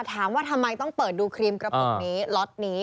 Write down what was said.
ถามว่าทำไมต้องเปิดดูครีมกระปุกนี้ล็อตนี้